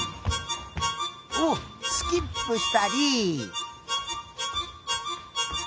おっスキップしたり。